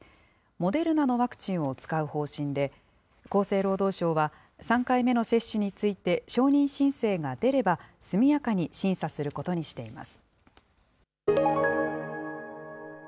モデルナのワクチンを使う方針で、厚生労働省は、３回目の接種について、承認申請が出れば、速やかに審査することにしています。